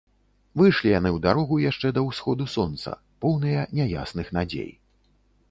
Выйшлі яны ў дарогу яшчэ да ўсходу сонца, поўныя няясных надзей.